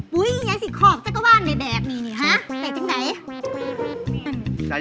วุ้ยยังไงสิขอบจ้ะก็ว่างใดมีนี่ฮะเศษจังใด